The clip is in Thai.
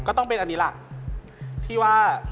ก็ต้องเป็นที่ว่า